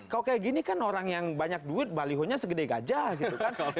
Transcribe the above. kalau kayak gini kan orang yang banyak duit balihonya segede gajah gitu kan